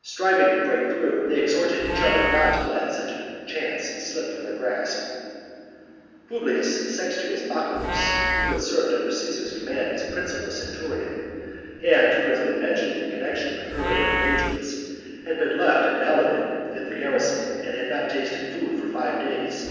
Striving to break through, they exhorted each other not to let such a chance slip from their grasp. 38. Publius Sextius Baculus, who had served Bacuius . saves the under Caesar's command as principal centurion, camp. and who has been mentioned in connexion with earlier engagements, had been left invalided in the garrison, and had not tasted food for five days.